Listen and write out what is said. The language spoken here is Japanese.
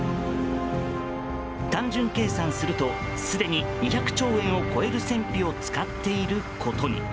単純計算するとすでに２００兆円を超える戦費を使っていることに。